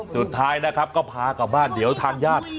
สุดท้ายนะครับก็พากลับบ้านเดี๋ยวทางญาติ